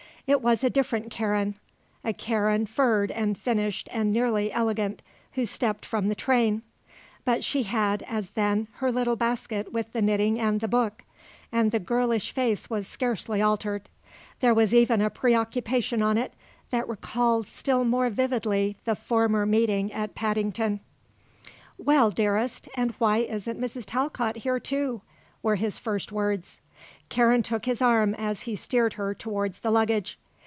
It was a different Karen, a Karen furred and finished and nearly elegant, who stepped from the train; but she had, as then, her little basket with the knitting and the book; and the girlish face was scarcely altered; there was even a preoccupation on it that recalled still more vividly the former meeting at Paddington. "Well, dearest, and why isn't Mrs. Talcott here, too?" were his first words. Karen took his arm as he steered her towards the luggage.